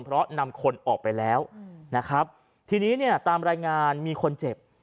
เพราะนำคนออกไปแล้วนะครับทีนี้เนี่ยตามรายงานมีคนเจ็บ